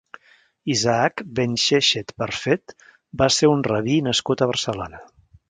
Isaac ben Xéixet Perfet va ser un rabí nascut a Barcelona.